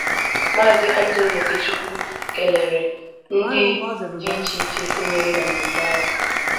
Maazị Anthony Okechukwu kèlèrè ndị dị iche iche sonyere na mmemme ahụ